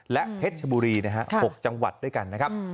และเพชบุรี๖จังหวัดด้วยกัน